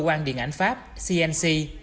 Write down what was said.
cơ quan điện ảnh pháp cnc